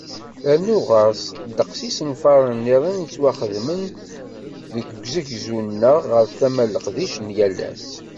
Rnu ɣer-s, ddeqs n yisenfaren-nniḍen yettwaxdamen deg ugezdu-nneɣ ɣar tama n leqdic n yal ass.